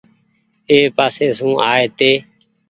اي پاسي سون آئي هيتي۔